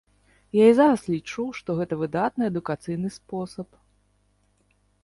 Я і зараз лічу, што гэта выдатны адукацыйны спосаб.